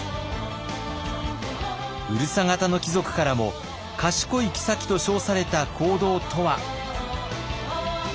うるさ型の貴族からも賢い后と称された行動とは？